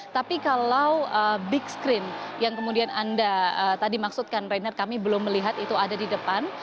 tapi kalau big screen yang kemudian anda tadi maksudkan reinhardt kami belum melihat itu ada di depan